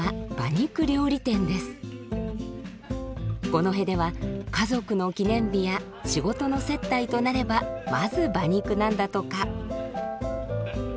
五戸では家族の記念日や仕事の接待となればまず馬肉なんだとか。